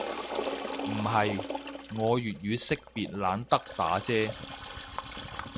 唔係，我粵語識別懶得打啫